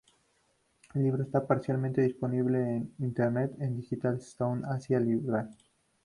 El libro está parcialmente disponible en Internet en Digital South Asia Library.